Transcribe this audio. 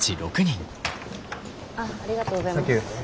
ありがとうございます。